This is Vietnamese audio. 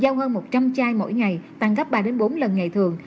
giao hơn một trăm linh chai mỗi ngày tăng gấp ba bốn lần ngày thường